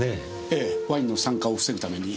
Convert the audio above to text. ええワインの酸化を防ぐために。